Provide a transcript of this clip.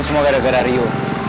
semua gara gara rio